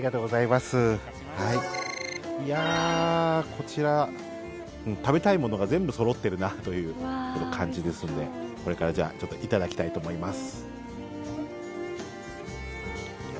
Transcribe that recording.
こちら、食べたいものが全部そろっているなという感じですのでこれからいただきたいと思います。